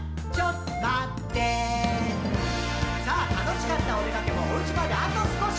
「さぁ楽しかったおでかけもお家まであと少し」